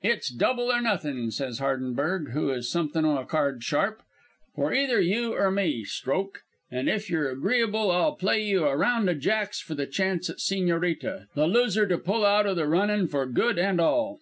"'It's double or nothing,' says Hardenberg, who is somethin' o' a card sharp, 'for either you or me, Stroke; an' if you're agreeable I'll play you a round o' jacks for the chance at the Sigñorita the loser to pull out o' the running for good an' all.'